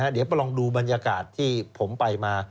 เดี๋ยวไปลองดูบรรยากาศที่ผมไปมา